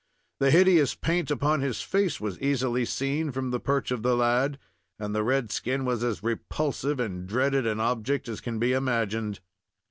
The hideous paint upon his face was easily seen from the perch of the lad, and the red skin was as repulsive and dreaded an object as can be imagined.